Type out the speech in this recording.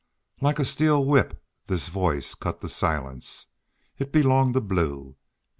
Like a steel whip this voice cut the silence. It belonged to Blue.